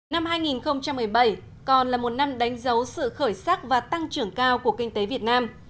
năm hai nghìn một mươi bảy còn là một năm đánh dấu sự khởi sắc và tăng trưởng cao của kinh tế việt nam